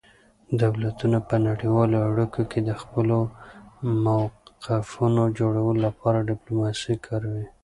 دولتونه په نړیوالو اړیکو کې د خپلو موقفونو جوړولو لپاره ډیپلوماسي کاروي